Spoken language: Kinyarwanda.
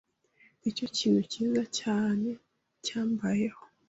Nicyo kintu cyiza cyane cyambayeho.